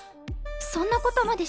そんなことまでして。